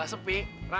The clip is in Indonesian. kamu tuh adel